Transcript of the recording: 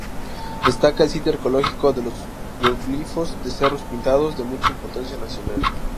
Destaca el sitio arqueológico de los geoglifos de cerros Pintados, de mucha importancia nacional.